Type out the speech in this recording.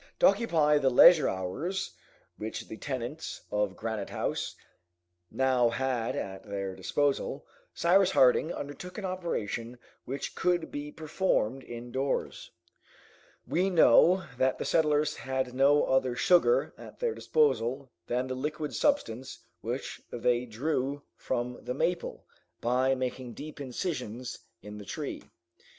To occupy the leisure hours, which the tenants of Granite House now had at their disposal, Cyrus Harding undertook an operation which could be performed indoors. We know that the settlers had no other sugar at their disposal than the liquid substance which they drew from the maple, by making deep incisions in the tree.